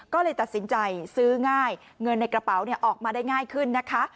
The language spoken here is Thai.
ก็เลยตัดสินใจซื้อง่ายเงินในกระเป๋าออกมาได้ง่ายขึ้นนะคะ